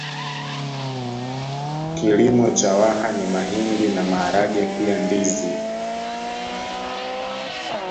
Kilimo cha Waha ni mahindi na maharage pia ndizi